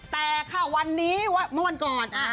แต่ค่ะวันนี้เมื่อวันก่อน